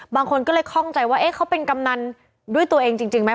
บางคนก็เลยคล่องใจว่าเขาเป็นกำนันด้วยตัวเองจริงไหม